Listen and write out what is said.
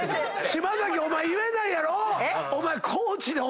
島崎お前言えないやろ⁉